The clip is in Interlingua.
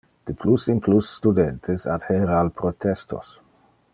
De plus in plus studentes adhere al protestos.